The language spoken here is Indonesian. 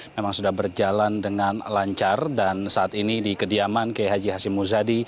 memang sudah berjalan dengan lancar dan saat ini di kediaman kiai haji hashim muzadi